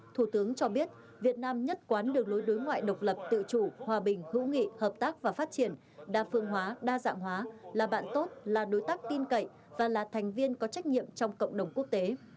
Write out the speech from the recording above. thủ tướng cho biết việt nam nhất quán đường lối đối ngoại độc lập tự chủ hòa bình hữu nghị hợp tác và phát triển đa phương hóa đa dạng hóa là bạn tốt là đối tác tin cậy và là thành viên có trách nhiệm trong cộng đồng quốc tế